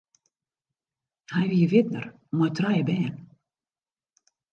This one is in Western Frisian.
Hy wie widner mei trije bern.